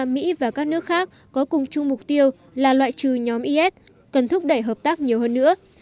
mỹ và các nước khác có cùng chung mục tiêu là loại trừ nhóm is cần thúc đẩy hợp tác nhiều hơn nữa